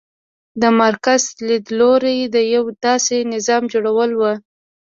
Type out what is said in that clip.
د مارکس لیدلوری د یو داسې نظام جوړول و.